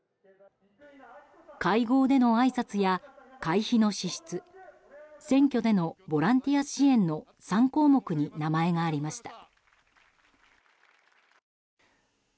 会合でのあいさつや会費の支出選挙でのボランティア支援の３項目に名前がありました。